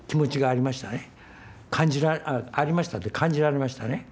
ありましたって感じられましたね。